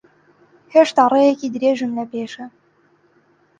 هێشتا ڕێیەکی درێژم لەپێشە.